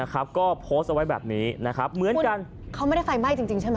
ก็โพสต์เอาไว้แบบนี้เขาไม่ได้ไฟไหม้จริงใช่ไหม